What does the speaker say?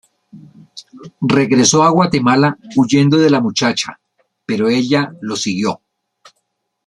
Regresó a Guatemala huyendo de la muchacha, pero ella lo siguió.